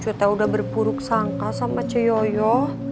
cucu teh udah berpuruk sangka sama cuyoyo